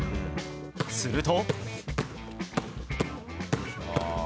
すると。